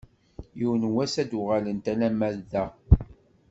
Yiwen n wass ad d-uɣalent alamma d da.